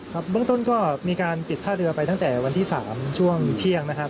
เบื้องต้นก็มีการปิดท่าเรือไปตั้งแต่วันที่๓ช่วงเที่ยงนะครับ